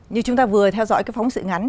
như chúng ta vừa theo dõi phóng sự ngắn